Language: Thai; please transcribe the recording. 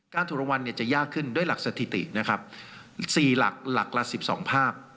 ถูกรางวัลเนี่ยจะยากขึ้นด้วยหลักสถิตินะครับ๔หลักหลักละ๑๒ภาพ